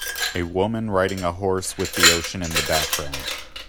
A woman riding a horse with the ocean in the background.